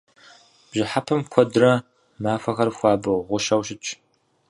Бжьыхьэпэм куэдрэ махуэхэр хуабэу, гъущэу щытщ.